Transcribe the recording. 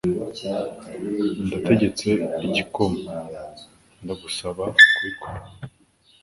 Ndategetse igikoma. Ndagusaba kubikora.